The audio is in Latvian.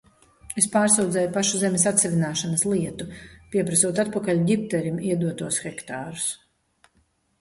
Es pārsūdzēju pašu zemes atsavināšanas lietu, pieprasot atpakaļ Ģipterim iedotos hektārus.